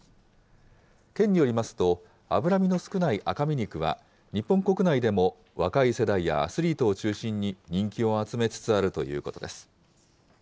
県によりますと、脂身の少ない赤身肉は、日本国内でも、若い世代やアスリートを中心に人気を集めつつあるということです。